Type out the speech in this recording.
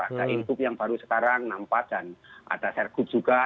ada ingup yang baru sekarang enam puluh empat dan ada sergub juga